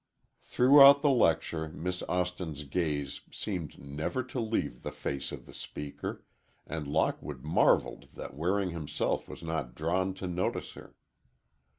Throughout the lecture, Miss Austin's gaze seemed never to leave the face of the speaker, and Lockwood marveled that Waring himself was not drawn to notice her.